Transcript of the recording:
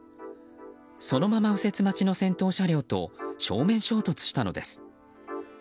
そのまま右折待ちの先頭車両と正面衝突したのです。